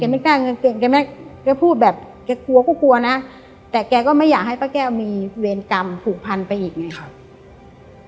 ไม่กล้าเงินเก่งแกพูดแบบแกกลัวก็กลัวนะแต่แกก็ไม่อยากให้ป้าแก้วมีเวรกรรมผูกพันไปอีกไงครับ